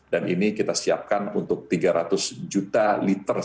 dan ini kita siapkan untuk tiga ratus juta liter